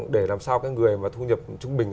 để làm sao cái người mà thu nhập trung bình